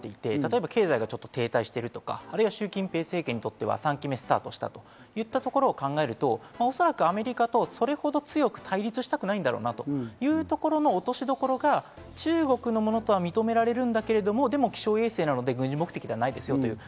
今、中国にとっては国内問題が非常に重要になっていて、経済が停滞してとか、シュウ・キンペイ政権にとっては３期目がスタートしたというところを考えると、おそらくアメリカとそれほど強く対立したくないんだろうなというところの落としどころが中国のものとは認められるんだけど、気象衛星なので軍事目的ではないですよと。